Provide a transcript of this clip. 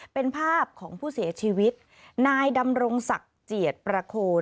เป็นภาพของผู้เสียชีวิตนายดำรงศักดิ์เจียดประโคน